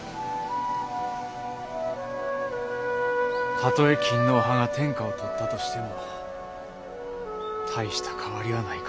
たとえ勤皇派が天下を取ったとしても大した変わりはないかもしれん。